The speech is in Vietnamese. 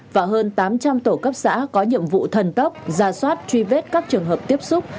và hơn tám trăm linh tổ cấp xã có nhiệm vụ thần tốc ra soát truy vết các trường hợp tiếp xúc